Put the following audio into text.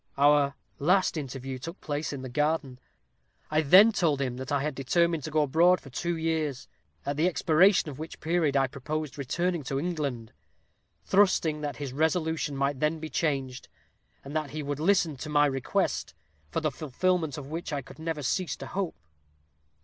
"Our last interview took place in the garden. I then told him that I had determined to go abroad for two years, at the expiration of which period I proposed returning to England; trusting that his resolution might then be changed, and that he would listen to my request, for the fulfilment of which I could never cease to hope.